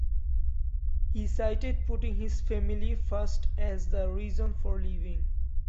He cited putting his family first as the reason for leaving.